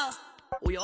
おや？